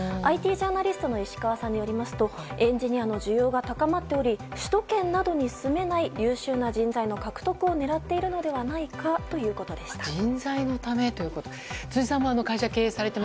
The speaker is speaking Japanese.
ＩＴジャーナリストの石川さんによりますとエンジニアの需要が高まっており首都圏などに住めない優秀な人材の獲得を狙っているのではないかということでした。